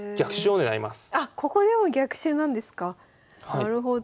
なるほど。